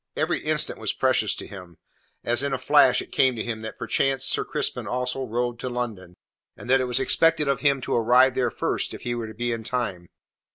Every instant was precious to him. As in a flash it came to him that perchance Sir Crispin also rode to London, and that it was expected of him to arrive there first if he were to be in time.